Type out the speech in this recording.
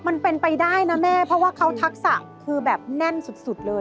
มันเป็นไปได้นะแม่เพราะว่าเขาทักษะคือแบบแน่นสุดเลย